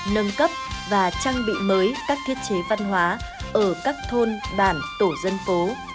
nâng cấp và trang bị mới các thiết chế văn hóa ở các thôn bản tổ dân phố